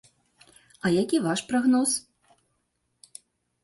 А які ваш прагноз?